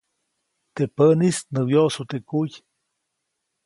Teʼ päʼnis nä wyoʼsu teʼ kuy.